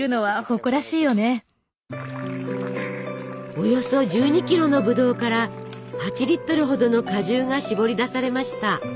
およそ１２キロのブドウから８リットルほどの果汁がしぼり出されました。